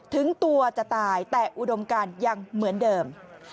ถึงตัวจะตายแต่อุดมการยังเหมือนเดิม